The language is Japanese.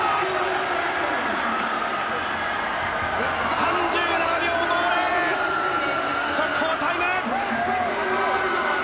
３７秒５０、速報タイム。